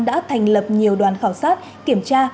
đã thành lập nhiều đoàn khảo sát kiểm tra